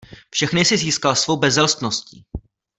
Všechny si získal svou bezelstností.